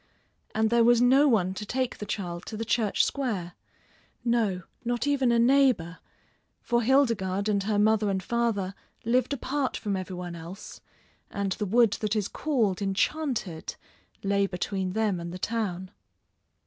And there was no one to take the child to the Church Square. No, not even a neighbor, for Hildegarde and her mother and father lived apart from every one else, and the wood that is called Enchanted lay between them and the town.